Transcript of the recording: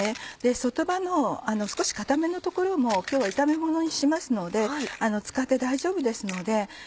外葉の少し硬めの所も今日は炒めものにしますので使って大丈夫ですので。